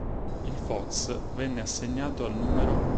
Il Fox venne assegnato al No.